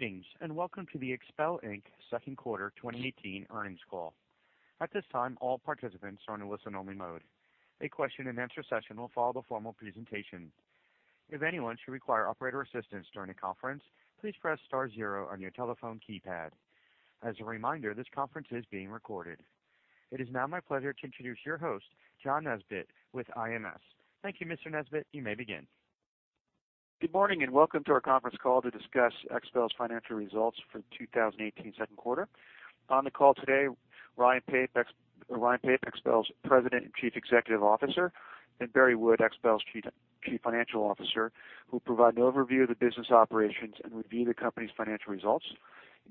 Greetings, and welcome to the XPEL Inc. second quarter 2018 earnings call. At this time, all participants are in a listen only mode. A question and answer session will follow the formal presentation. If anyone should require operator assistance during the conference, please press star zero on your telephone keypad. As a reminder, this conference is being recorded. It is now my pleasure to introduce your host, John Nesbett, with IMS. Thank you, Mr. Nesbett. You may begin. Good morning and welcome to our conference call to discuss XPEL's financial results for 2018 second quarter. On the call today, Ryan Pape, XPEL's President and Chief Executive Officer, and Barry Wood, XPEL's Chief Financial Officer, who will provide an overview of the business operations and review the company's financial results.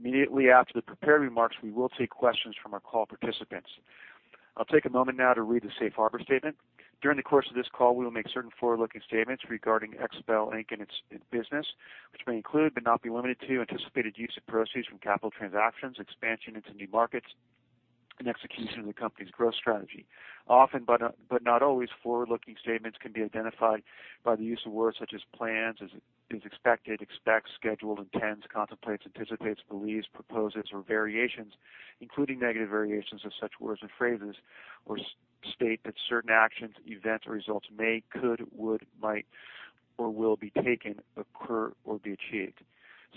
Immediately after the prepared remarks, we will take questions from our call participants. I'll take a moment now to read the safe harbor statement. During the course of this call, we will make certain forward-looking statements regarding XPEL Inc. and its business, which may include, but not be limited to, anticipated use of proceeds from capital transactions, expansion into new markets, and execution of the company's growth strategy. Often, but not always, forward-looking statements can be identified by the use of words such as plans, is expected, expects, scheduled, intends, contemplates, anticipates, believes, proposes, or variations, including negative variations of such words or phrases or state that certain actions, events, or results may, could, would, might or will be taken, occur, or be achieved.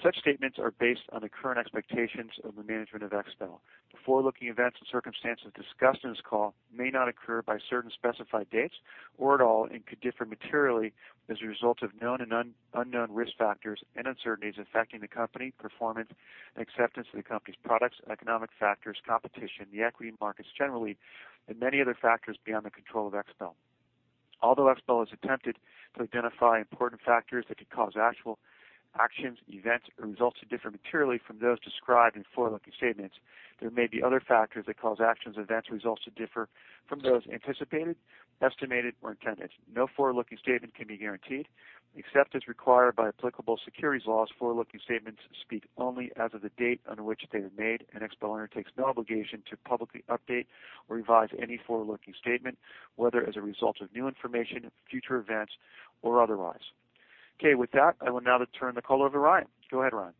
Such statements are based on the current expectations of the management of XPEL. The forward-looking events and circumstances discussed in this call may not occur by certain specified dates or at all and could differ materially as a result of known and unknown risk factors and uncertainties affecting the company, performance and acceptance of the company's products, economic factors, competition, the equity markets generally, and many other factors beyond the control of XPEL. Although XPEL has attempted to identify important factors that could cause actual actions, events or results to differ materially from those described in forward-looking statements, there may be other factors that cause actions, events or results to differ from those anticipated, estimated or intended. No forward-looking statement can be guaranteed. Except as required by applicable securities laws, forward-looking statements speak only as of the date on which they are made, and XPEL undertakes no obligation to publicly update or revise any forward-looking statement, whether as a result of new information, future events or otherwise. Okay. With that, I will now turn the call over Ryan. Go ahead, Ryan.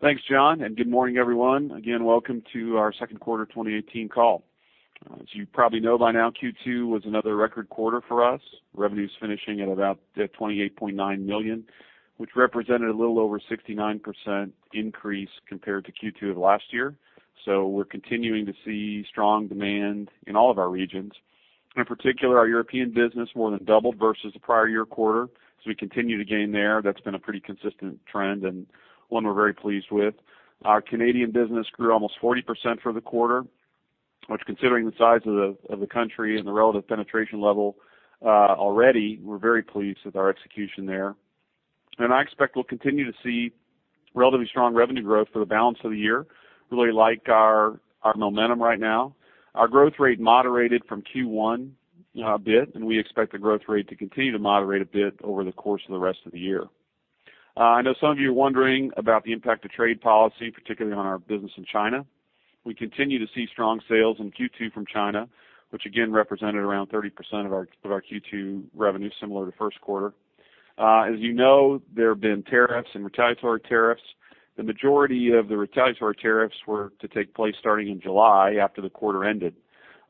Thanks, John, good morning everyone. Again, welcome to our second quarter 2018 call. As you probably know by now, Q2 was another record quarter for us. Revenue is finishing at about $28.9 million, which represented a little over 69% increase compared to Q2 of last year. We're continuing to see strong demand in all of our regions. In particular, our European business more than doubled versus the prior year quarter. We continue to gain there. That's been a pretty consistent trend and one we're very pleased with. Our Canadian business grew almost 40% for the quarter, which considering the size of the country and the relative penetration level already, we're very pleased with our execution there. I expect we'll continue to see relatively strong revenue growth for the balance of the year. Really like our momentum right now. Our growth rate moderated from Q1, a bit. We expect the growth rate to continue to moderate a bit over the course of the rest of the year. I know some of you are wondering about the impact of trade policy, particularly on our business in China. We continue to see strong sales in Q2 from China, which again represented around 30% of our Q2 revenue, similar to first quarter. As you know, there have been tariffs and retaliatory tariffs. The majority of the retaliatory tariffs were to take place starting in July after the quarter ended.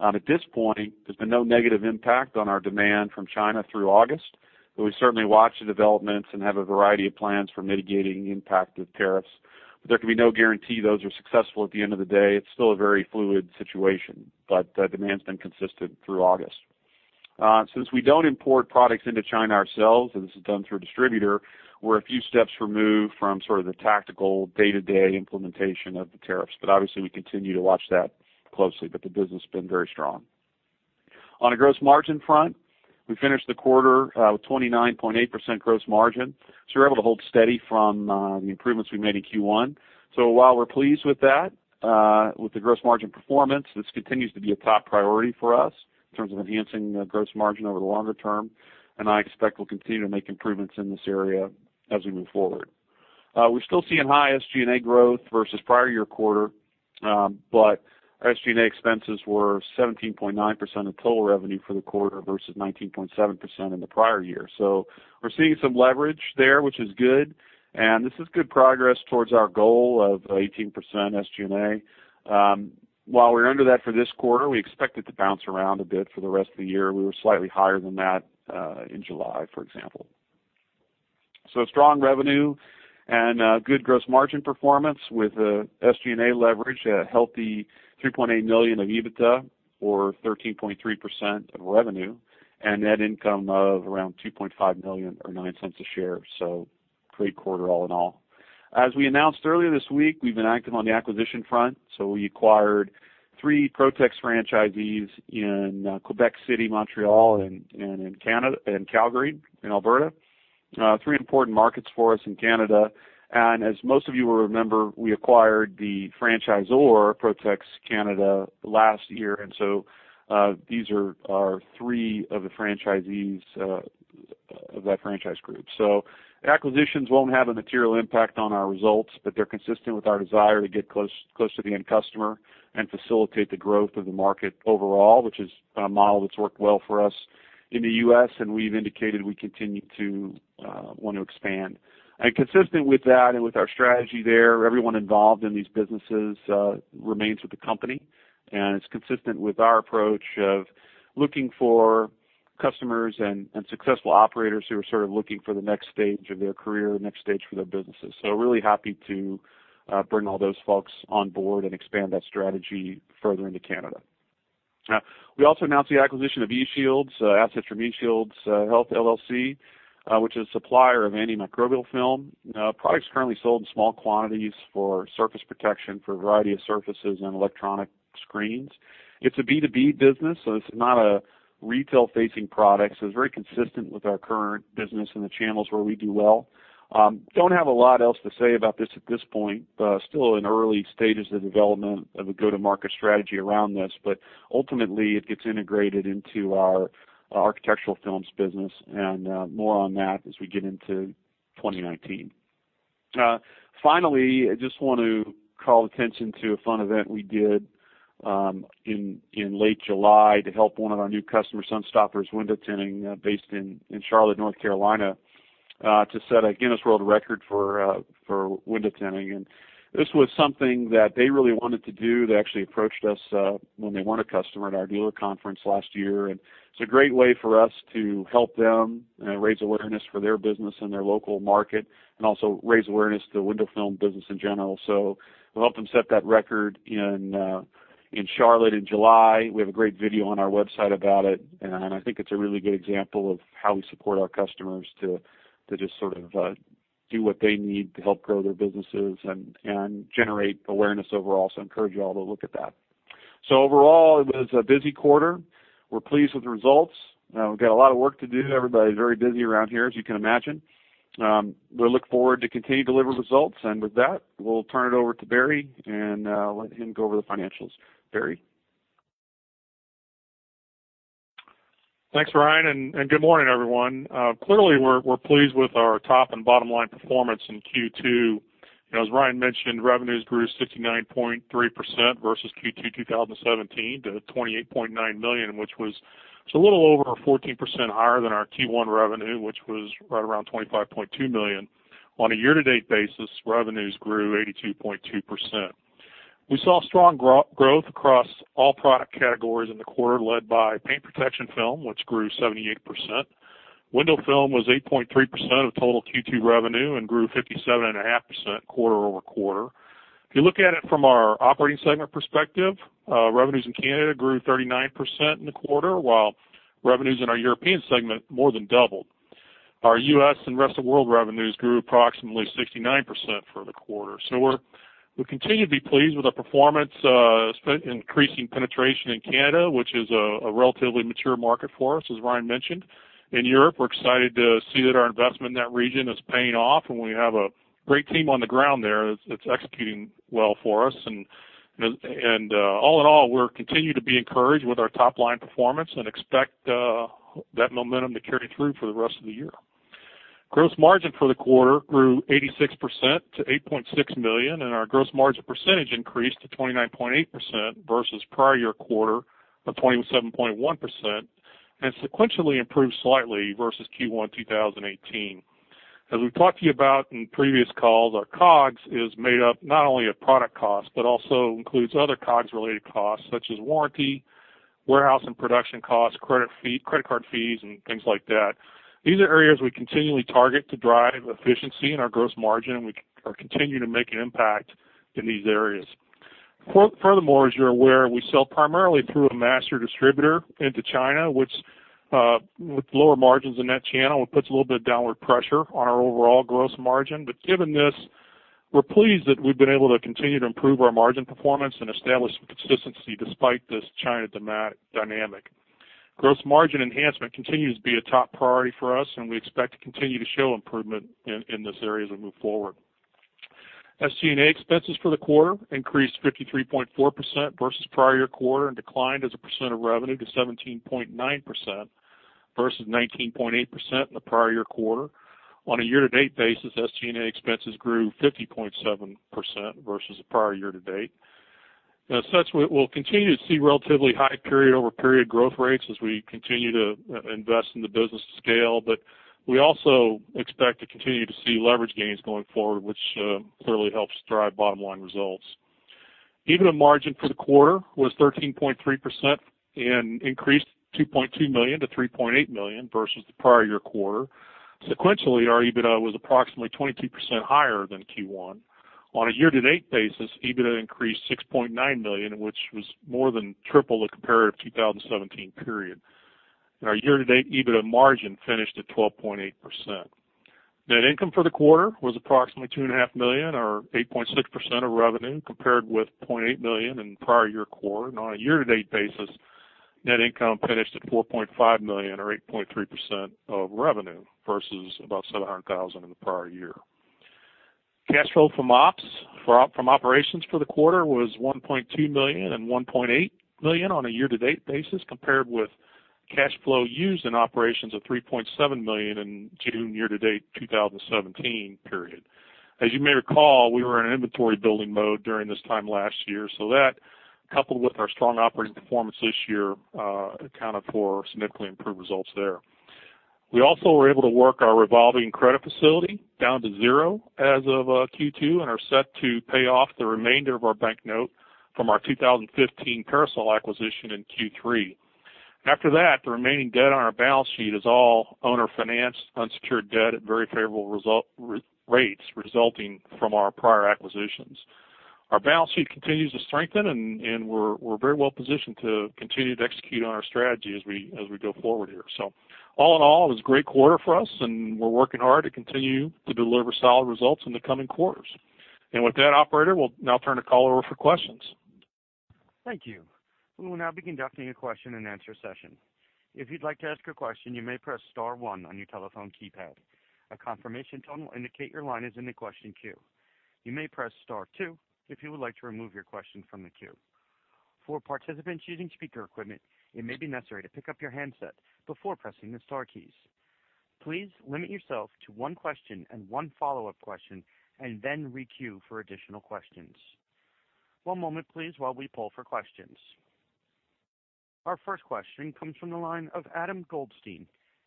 At this point, there's been no negative impact on our demand from China through August. We certainly watch the developments and have a variety of plans for mitigating the impact of tariffs. There can be no guarantee those are successful at the end of the day. It's still a very fluid situation, demand's been consistent through August. Since we don't import products into China ourselves, and this is done through a distributor, we're a few steps removed from sort of the tactical day-to-day implementation of the tariffs. Obviously we continue to watch that closely, the business has been very strong. On a gross margin front, we finished the quarter with 29.8% gross margin, we're able to hold steady from the improvements we made in Q1. While we're pleased with that, with the gross margin performance, this continues to be a top priority for us in terms of enhancing gross margin over the longer term. I expect we'll continue to make improvements in this area as we move forward. We're still seeing high SG&A growth versus prior-year quarter, our SG&A expenses were 17.9% of total revenue for the quarter versus 19.7% in the prior year. We're seeing some leverage there, which is good, and this is good progress towards our goal of 18% SG&A. While we're under that for this quarter, we expect it to bounce around a bit for the rest of the year. We were slightly higher than that in July, for example. Strong revenue and good gross margin performance with SG&A leverage, a healthy $3.8 million of EBITDA or 13.3% of revenue and net income of around $2.5 million or $0.09 a share. Great quarter all in all. As we announced earlier this week, we've been active on the acquisition front. We acquired three Protex franchisees in Quebec City, Montreal, and in Calgary, in Alberta. Three important markets for us in Canada. As most of you will remember, we acquired the franchisor, Protex Canada, last year. These are three of the franchisees of that franchise group. Acquisitions won't have a material impact on our results, but they're consistent with our desire to get close to the end customer and facilitate the growth of the market overall, which is a model that's worked well for us in the U.S., and we've indicated we continue to want to expand. Consistent with that and with our strategy there, everyone involved in these businesses remains with the company, and it's consistent with our approach of looking for customers and successful operators who are sort of looking for the next stage of their career, next stage for their businesses. Really happy to bring all those folks on board and expand that strategy further into Canada. We also announced the acquisition of eShields assets from eShields Health LLC, which is a supplier of antimicrobial film. Product's currently sold in small quantities for surface protection, for a variety of surfaces and electronic screens. It's a B2B business, so it's not a retail-facing product, so it's very consistent with our current business and the channels where we do well. Don't have a lot else to say about this at this point. Still in early stages of development of a go-to-market strategy around this. Ultimately, it gets integrated into our architectural films business and, more on that as we get into 2019. Finally, I just want to call attention to a fun event we did, in late July to help one of our new customers, Sun Stoppers Window Tinting, based in Charlotte, N.C., to set a Guinness World Record for window tinting. This was something that they really wanted to do. They actually approached us, when they won a customer at our dealer conference last year. It's a great way for us to help them, raise awareness for their business and their local market and also raise awareness to the window film business in general. We helped them set that Guinness World Record in Charlotte in July. We have a great video on our website about it, and I think it's a really good example of how we support our customers to just sort of do what they need to help grow their businesses and generate awareness overall. I encourage you all to look at that. Overall, it was a busy quarter. We're pleased with the results. We've got a lot of work to do. Everybody's very busy around here, as you can imagine. We look forward to continue to deliver results. With that, we'll turn it over to Barry, and let him go over the financials. Barry? Thanks, Ryan, and good morning, everyone. Clearly we're pleased with our top and bottom line performance in Q2. You know, as Ryan mentioned, revenues grew 69.3% versus Q2 2017 to $28.9 million, which was just a little over 14% higher than our Q1 revenue, which was right around $25.2 million. On a year-to-date basis, revenues grew 82.2%. We saw strong growth across all product categories in the quarter, led by paint protection film, which grew 78%. Window film was 8.3% of total Q2 revenue and grew 57.5% quarter-over-quarter. If you look at it from our operating segment perspective, revenues in Canada grew 39% in the quarter, while revenues in our European segment more than doubled. Our U.S. and rest of world revenues grew approximately 69% for the quarter. We continue to be pleased with our performance, increasing penetration in Canada, which is a relatively mature market for us, as Ryan mentioned. In Europe, we're excited to see that our investment in that region is paying off, and we have a great team on the ground there that's executing well for us. All in all, we're continued to be encouraged with our top line performance and expect that momentum to carry through for the rest of the year. Gross margin for the quarter grew 86% to $8.6 million, and our gross margin percentage increased to 29.8% versus prior year quarter of 27.1%, and sequentially improved slightly versus Q1 2018. As we've talked to you about in previous calls, our COGS is made up not only of product costs but also includes other COGS-related costs, such as warranty, warehouse and production costs, credit card fees and things like that. These are areas we continually target to drive efficiency in our gross margin, and we are continuing to make an impact in these areas. Furthermore, as you're aware, we sell primarily through a master distributor into China, which, with lower margins in that channel, it puts a little bit of downward pressure on our overall gross margin. Given this, we're pleased that we've been able to continue to improve our margin performance and establish some consistency despite this China dynamic. Gross margin enhancement continues to be a top priority for us, and we expect to continue to show improvement in this area as we move forward. SG&A expenses for the quarter increased 53.4% versus prior year quarter and declined as a percent of revenue to 17.9% versus 19.8% in the prior year quarter. On a year-to-date basis, SG&A expenses grew 50.7% versus the prior year to date. We'll continue to see relatively high period-over-period growth rates as we continue to invest in the business scale. We also expect to continue to see leverage gains going forward, which clearly helps drive bottom-line results. EBITDA margin for the quarter was 13.3% and increased $2.2 million-$3.8 million versus the prior year quarter. Sequentially, our EBITDA was approximately 22% higher than Q1. On a year-to-date basis, EBITDA increased $6.9 million, which was more than triple the comparative 2017 period. Our year-to-date EBITDA margin finished at 12.8%. Net income for the quarter was approximately $2.5 million or 8.6% of revenue, compared with $0.8 million in prior year quarter. On a year-to-date basis, net income finished at $4.5 million or 8.3% of revenue versus about $700,000 in the prior year. Cash flow from operations for the quarter was $1.2 million and $1.8 million on a year-to-date basis compared with cash flow used in operations of $3.7 million in June year-to-date 2017 period. As you may recall, we were in inventory building mode during this time last year. That, coupled with our strong operating performance this year, accounted for significantly improved results there. We also were able to work our revolving credit facility down to zero as of Q2 and are set to pay off the remainder of our bank note from our 2015 Parasol Canada acquisition in Q3. After that, the remaining debt on our balance sheet is all owner-financed unsecured debt at very favorable rates resulting from our prior acquisitions. Our balance sheet continues to strengthen and we're very well positioned to continue to execute on our strategy as we go forward here. All in all, it was a great quarter for us, and we're working hard to continue to deliver solid results in the coming quarters. With that, operator, we'll now turn the call over for questions. Thank you. We will now be conducting a question-and-answer session. If you'd like to ask a question, you may press star one on your telephone keypad. A confirmation tone will indicate your line is in the question queue. You may press star two if you would like to remove your question from the queue. For participants using speaker equipment, it may be necessary to pick up your handset before pressing the star keys. Please limit yourself to one question and one follow-up question and then re-queue for additional questions. One moment please while we poll for questions. Our first question comes from the line of Adam Goldstein,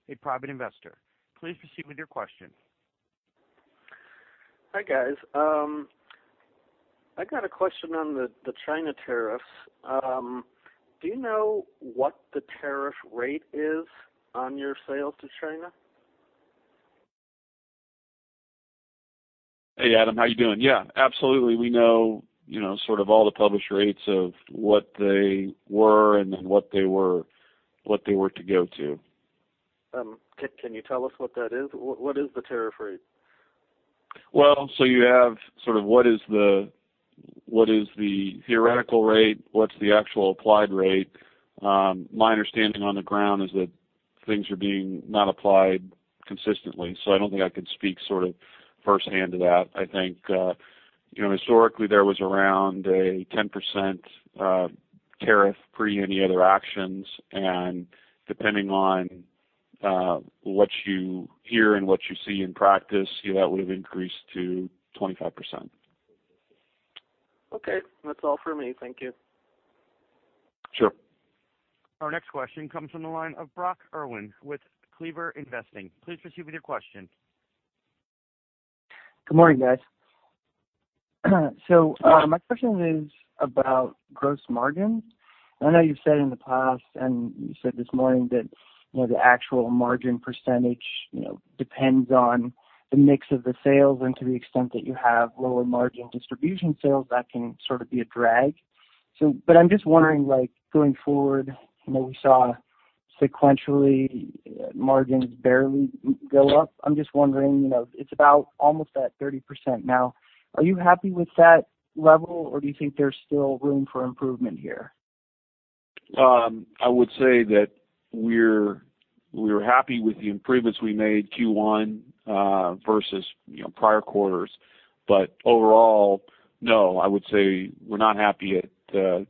a private investor. Please proceed with your question. Hi, guys. I've got a question on the China tariffs. Do you know what the tariff rate is on your sales to China? Hey, Adam. How you doing? Yeah, absolutely. We know, you know, sort of all the published rates of what they were and then what they were, what they were to go to. Can you tell us what that is? What is the tariff rate? You have sort of what is the, what is the theoretical rate, what's the actual applied rate. My understanding on the ground is that things are being not applied consistently. I don't think I can speak sort of firsthand to that. I think, you know, historically there was around a 10% tariff pre any other actions. Depending on what you hear and what you see in practice, you know, that would have increased to 25%. Okay. That's all for me. Thank you. Sure. Our next question comes from the line of Brock Erwin with CleverInvesting LLC. Please proceed with your question. Good morning, guys. My question is about gross margin. I know you've said in the past, and you said this morning that, you know, the actual margin percentage, you know, depends on the mix of the sales. To the extent that you have lower margin distribution sales, that can sort of be a drag. I'm just wondering, like, going forward, you know, we saw sequentially margins barely go up. I'm just wondering, you know, it's about almost at 30% now. Are you happy with that level, or do you think there's still room for improvement here? I would say that we're happy with the improvements we made Q1 versus, you know, prior quarters. Overall, no, I would say we're not happy at 29%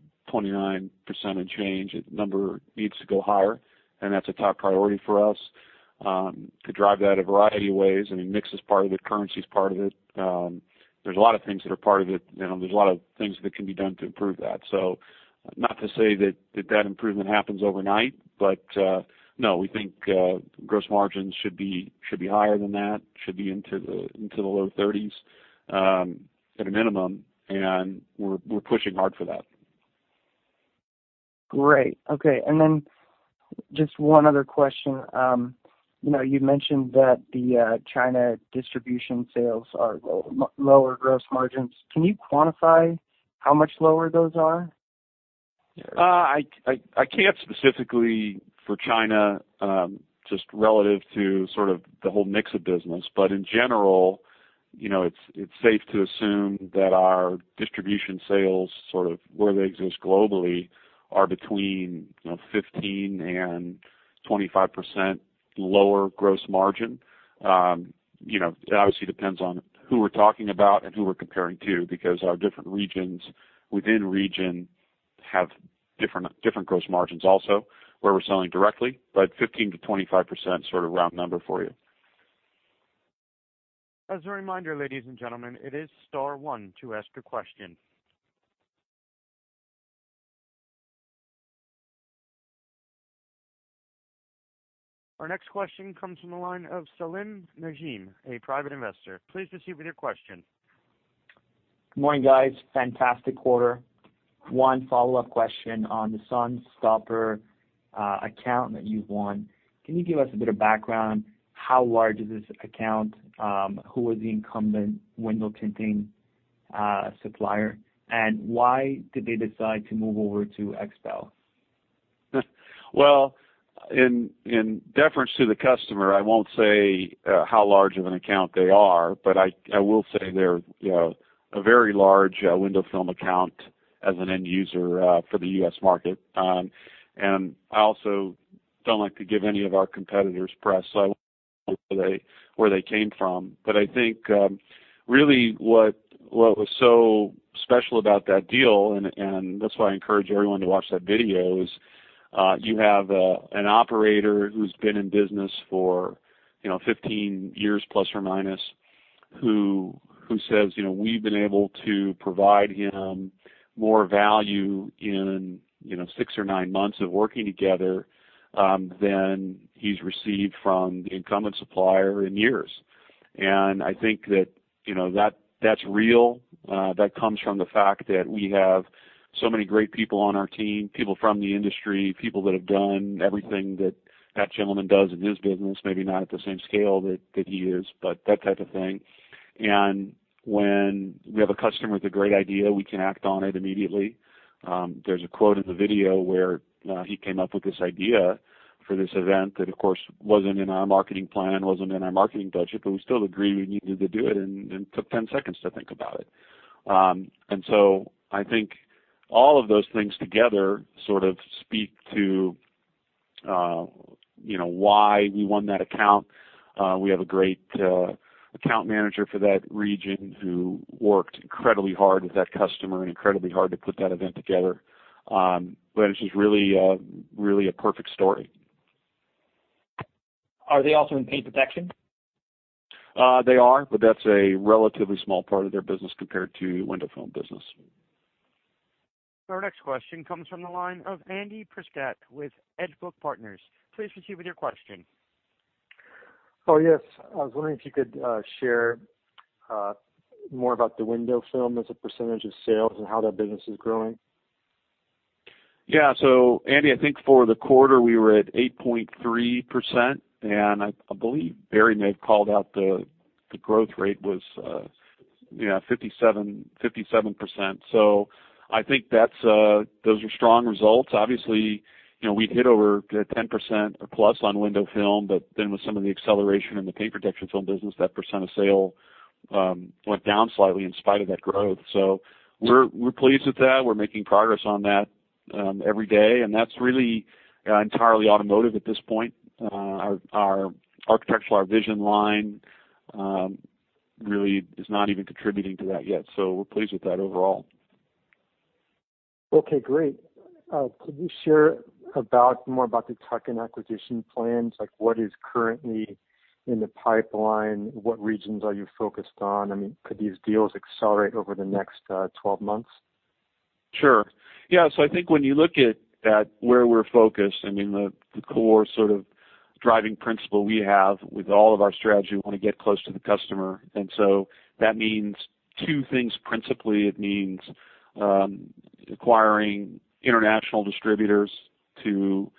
and change. The number needs to go higher, and that's a top priority for us. Could drive that a variety of ways. I mean mix is part of it. Currency is part of it. There's a lot of things that are part of it. You know, there's a lot of things that can be done to improve that. Not to say that that improvement happens overnight, but, no, we think gross margins should be, should be higher than that, should be into the, into the low 30s, at a minimum, and we're pushing hard for that. Great. Okay. Then just one other question. You know, you mentioned that the China distribution sales are lower gross margins. Can you quantify how much lower those are? I can't specifically for China, just relative to sort of the whole mix of business. But in general, you know, it's safe to assume that our distribution sales, sort of where they exist globally, are between, you know, 15% and 25% lower gross margin. you know, it obviously depends on who we're talking about and who we're comparing to because our different regions within region have different gross margins also, where we're selling directly. But 15%-25% sort of round number for you. As a reminder, ladies and gentlemen, it is star one to ask a question. Our next question comes from the line of Salim Negim, a private investor. Please proceed with your question. Good morning, guys. Fantastic quarter. One follow-up question on the Sun Stoppers account that you won. Can you give us a bit of background? How large is this account? Who was the incumbent window tinting supplier? Why did they decide to move over to XPEL? Well, in deference to the customer, I won't say how large of an account they are. I will say they're, you know, a very large window film account as an end user for the U.S. market. I also don't like to give any of our competitors press, so I won't say where they came from. I think really what was so special about that deal, and that's why I encourage everyone to watch that video. You have, you know, an operator who's been in business for, you know, 15 years plus or minus, who says, you know, we've been able to provide him more value in, you know, six or nine months of working together than he's received from the incumbent supplier in years. I think that, you know, that's real. That comes from the fact that we have so many great people on our team, people from the industry, people that have done everything that gentleman does in his business, maybe not at the same scale that he is, but that type of thing. When we have a customer with a great idea, we can act on it immediately. There's a quote in the video where he came up with this idea for this event that of course wasn't in our marketing plan, wasn't in our marketing budget, but we still agreed we needed to do it and took 10 seconds to think about it. I think all of those things together sort of speak to, you know, why we won that account. We have a great account manager for that region who worked incredibly hard with that customer and incredibly hard to put that event together. It's just really a perfect story. Are they also in paint protection? They are, but that's a relatively small part of their business compared to window film business. Our next question comes from the line of Andy Preikschat with Edgebrook Partners. Please proceed with your question. Oh, yes. I was wondering if you could share more about the window film as a percent of sales and how that business is growing. Andy, I think for the quarter we were at 8.3%, and I believe Barry may have called out the growth rate was 57%. I think that's those are strong results. Obviously, we'd hit over 10% plus on window film, but then with some of the acceleration in the paint protection film business, that percent of sale went down slightly in spite of that growth. We're pleased with that. We're making progress on that every day, and that's really entirely automotive at this point. Our architectural, our XPEL VISION, really is not even contributing to that yet. We're pleased with that overall. Okay, great. Could you share more about the tuck-in acquisition plans? Like, what is currently in the pipeline? What regions are you focused on? I mean, could these deals accelerate over the next 12 months? Sure. Yeah. I think when you look at where we're focused, I mean, the core sort of driving principle we have with all of our strategy, we wanna get close to the customer. That means two things. Principally, it means acquiring international distributors to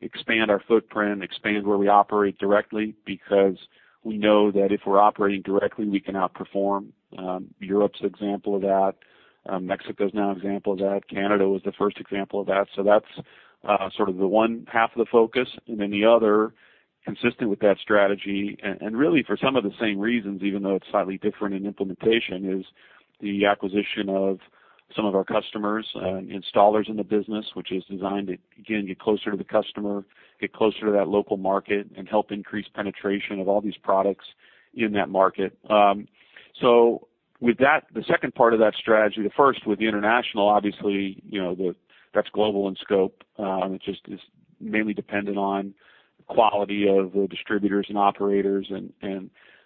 expand our footprint, expand where we operate directly, because we know that if we're operating directly, we can outperform. Europe's an example of that. Mexico's now an example of that. Canada was the first example of that. That's, sort of the one half of the focus and then the other consistent with that strategy and really for some of the same reasons, even though it's slightly different in implementation, is the acquisition of some of our customers, installers in the business, which is designed to, again, get closer to the customer, get closer to that local market, and help increase penetration of all these products in that market. With that, the second part of that strategy, the first with the international, obviously, you know, that's global in scope. It's just, it's mainly dependent on quality of the distributors and operators and,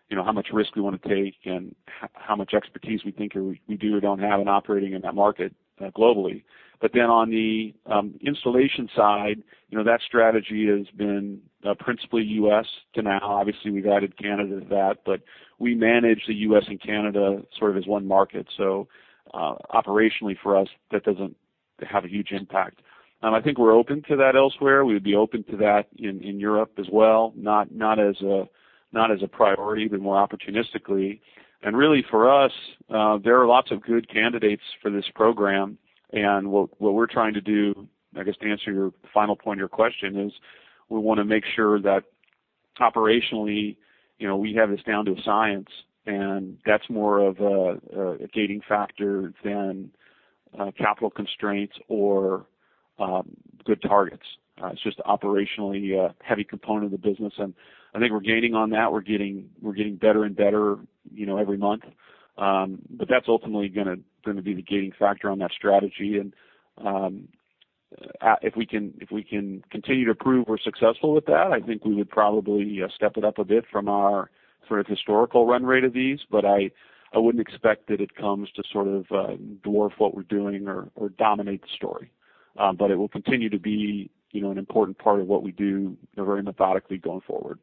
you know, how much risk we wanna take and how much expertise we think or we do or don't have in operating in that market, globally. On the installation side, you know, that strategy has been principally U.S. to now. Obviously, we've added Canada to that, but we manage the U.S. and Canada sort of as one market. Operationally for us, that doesn't have a huge impact. I think we're open to that elsewhere. We would be open to that in Europe as well, not as a priority, but more opportunistically. For us, there are lots of good candidates for this program. What we're trying to do, I guess, to answer your final point of your question, is we wanna make sure that operationally, you know, we have this down to a science, and that's more of a gating factor than capital constraints or good targets. It's just operationally a heavy component of the business, and I think we're gaining on that. We're getting better and better, you know, every month. That's ultimately gonna be the gating factor on that strategy. If we can continue to prove we're successful with that, I think we would probably step it up a bit from our sort of historical run rate of these. I wouldn't expect that it comes to sort of dwarf what we're doing or dominate the story. It will continue to be, you know, an important part of what we do, you know, very methodically going forward.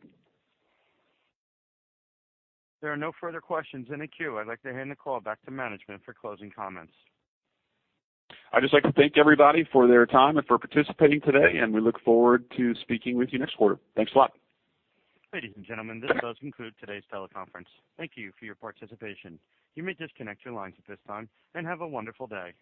There are no further questions in the queue. I'd like to hand the call back to management for closing comments. I'd just like to thank everybody for their time and for participating today. We look forward to speaking with you next quarter. Thanks a lot. Ladies and gentlemen, this does conclude today's teleconference. Thank you for your participation. You may disconnect your lines at this time, and have a wonderful day.